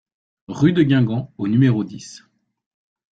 Rue de Guingamp au numéro dix